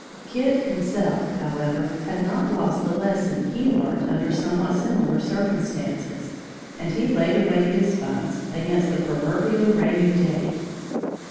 Kit himself, however, had not lost the lesson he learned under somewhat similar circumstances, and he laid away his funds, against the proverbial rainy day.